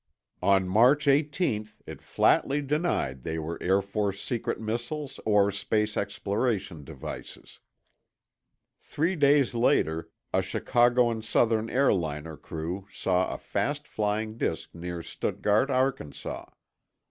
On March 18 it flatly denied they were Air Force secret missiles or space exploration devices. Three days later, a Chicago and Southern airliner crew saw a fast flying disk near Stuttgart, Arkansas.